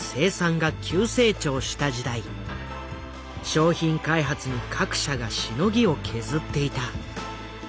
商品開発に各社がしのぎを削っていた。